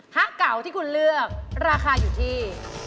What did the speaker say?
ะเก่าที่คุณเลือกราคาอยู่ที่